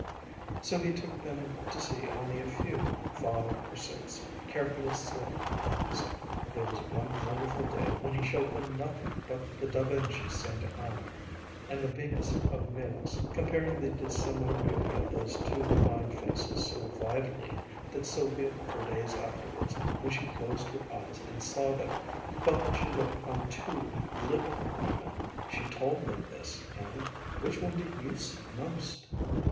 So he took them to see only a few, five or six, carefully selected things there was one wonderful day when he showed them nothing but the Da Vinci Saint Anne, and the Venus of Melos, comparing the dissimilar beauty of those two divine faces so vitally, that Sylvia for days afterwards, when she closed her eyes and saw them, felt that she looked on two living women. She told them this and, "Which one do you see most?"